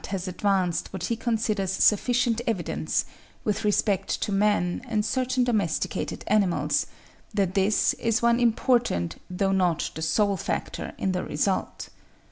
has advanced what he considers sufficient evidence, with respect to man and certain domesticated animals, that this is one important though not the sole factor in the result.